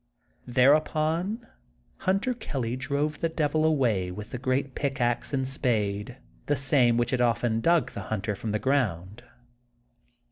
Thereupon Hunter Kelly drove the Devil away with the great pickaxe and spade, the same which had often dug the hunter from the, ground.